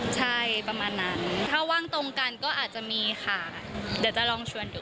ใช่ประมาณนั้นถ้าว่างตรงกันก็อาจจะมีค่ะเดี๋ยวจะลองชวนดู